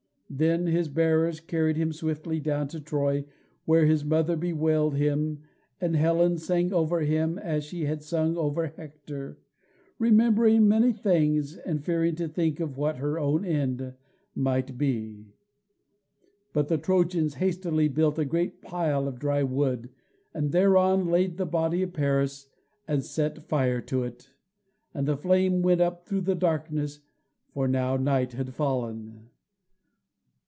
Then his bearers carried him swiftly down to Troy, where his mother bewailed him, and Helen sang over him as she had sung over Hector, remembering many things, and fearing to think of what her own end might be. But the Trojans hastily built a great pile of dry wood, and thereon laid the body of Paris and set fire to it, and the flame went up through the darkness, for now night had fallen.